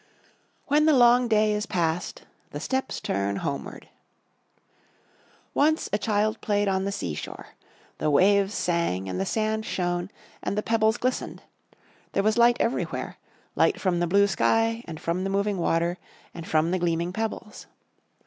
"When the long day is past, the steps turn homeward." Once a child played on the sea shore. The waves sang and the sand shone and the pebbles glistened. There was light everywhere; light from the blue sky, and from the moving water, and from the gleaming pebbles.